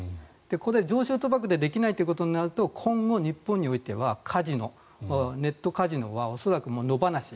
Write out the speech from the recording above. これ、常習賭博でできないということになると今後、日本においてカジノ、ネットカジノは恐らく野放し。